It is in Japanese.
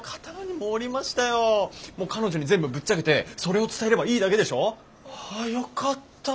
もう彼女に全部ぶっちゃけてそれを伝えればいいだけでしょ？あよかった。